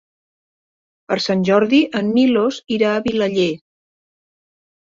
Per Sant Jordi en Milos irà a Vilaller.